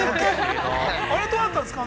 ◆どうだったんですか？